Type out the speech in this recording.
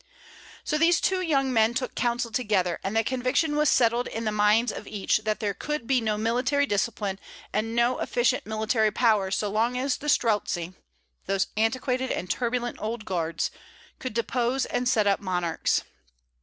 So these two young men took counsel together; and the conviction was settled in the minds of each that there could be no military discipline and no efficient military power so long as the Streltzi those antiquated and turbulent old guards could depose and set up monarchs.